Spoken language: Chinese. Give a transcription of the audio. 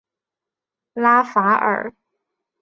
拉法尔。